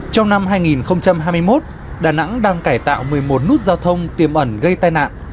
trong năm hai nghìn hai mươi một đà nẵng đang cải tạo một mươi một nút giao thông tiềm ẩn gây tai nạn